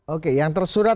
oke yang tersurat